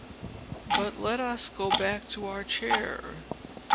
But let us go back to our chair.